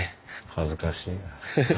恥ずかしいや。